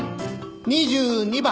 ２２番。